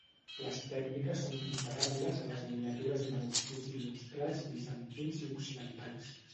Les tècniques són comparables a les miniatures i manuscrits il·lustrats bizantins i occidentals.